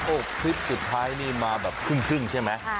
โอ้โหคลิปสุดท้ายนี่มาแบบครึ่งใช่ไหม